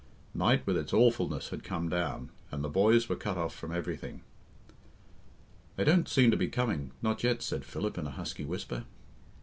Night with its awfulness had come down, and the boys were cut off from everything. "They don't seem to be coming not yet," said Philip, in a husky whisper.